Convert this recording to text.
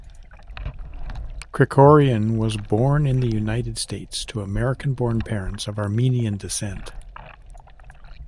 Krikorian was born in the United States to American-born parents of Armenian descent.